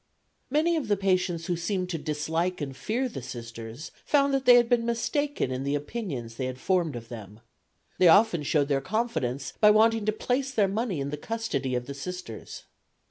Many of the patients who seemed to dislike and fear the Sisters found they had been mistaken in the opinions they had formed of them. They often showed their confidence by wanting to place their money in the custody of the Sisters.